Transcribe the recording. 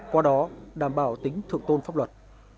qua đó đảm bảo tính thượng tôn pháp luật